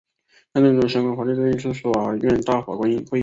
但最终相关法律的认定是司法院大法官会议。